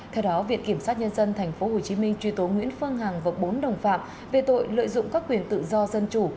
theo đó viện kiểm sát nhân dân tp hcm truy tố nguyễn phương hằng và bốn đồng phạm về tội lợi dụng các quyền tự do dân chủ